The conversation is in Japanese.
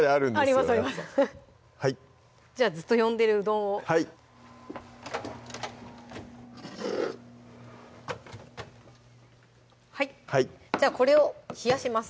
やっぱじゃあずっと呼んでるうどんをはいじゃあこれを冷やします